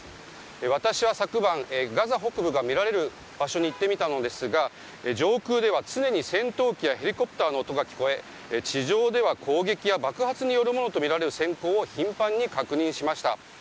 私は昨晩、ガザ北部が見られる場所に行ってみたのですが上空では常に戦闘機やヘリコプターの音が聞こえ地上では攻撃や爆発によるものとみられる閃光を頻繁に確認しました。